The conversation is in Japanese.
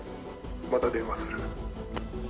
また電話する。